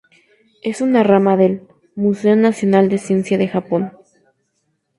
Es una rama del "Museo Nacional de Ciencia de Japón".